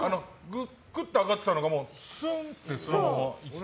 クッと上がってたのがスンってそのままいってて。